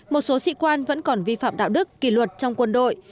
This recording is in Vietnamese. một số sĩ quan vẫn còn vi phạm đạo đức kỳ luật trong quân đội